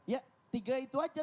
ya tiga itu aja